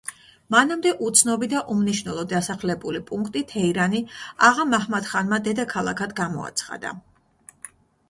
მანამდე უცნობი და უმნიშვნელო დასახლებული პუნქტი თეირანი აღა მაჰმად ხანმა დედაქალაქად გამოაცხადა.